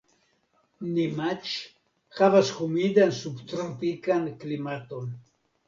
Nimaĉ havas humidan subtropikan klimaton.